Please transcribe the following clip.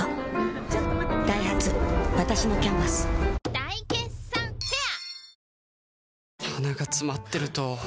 大決算フェア